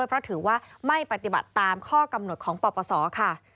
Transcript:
เพราะถือว่าไม่ปฏิบัติตามข้อกำหนดของปปศค่ะ